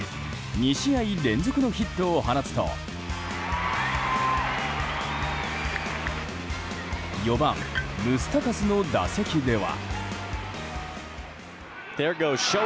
２試合連続のヒットを放つと４番、ムスタカスの打席では。